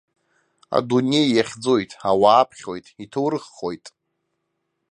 Адунеи иахьӡоит, ауаа аԥхьоит, иҭоурыххоит.